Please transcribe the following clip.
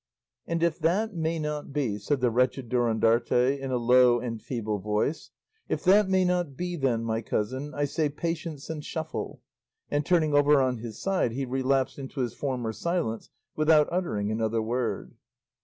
"'And if that may not be,' said the wretched Durandarte in a low and feeble voice, 'if that may not be, then, my cousin, I say "patience and shuffle;"' and turning over on his side, he relapsed into his former silence without uttering another word.